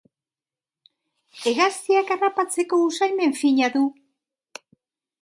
Hegaztiak harrapatzeko usaimen fina du.